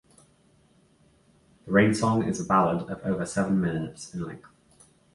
"The Rain Song" is a ballad of over seven minutes in length.